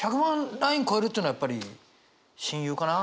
ライン越えるというのはやっぱり親友かな？